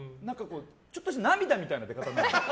ちょっとした涙みたいな出方。